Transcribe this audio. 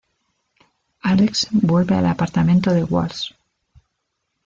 Alex vuelve al apartamento de Walsh.